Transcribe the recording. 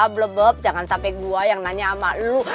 belebeb jangan sampai gue yang nanya sama lu